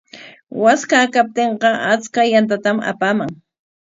Waskaa kaptinqa achka yantatam apaaman.